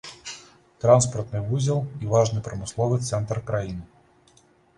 Транспартны вузел і важны прамысловы цэнтр краіны.